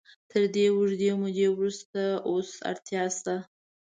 تر دې اوږدې مودې وروسته اوس اړتیا شته.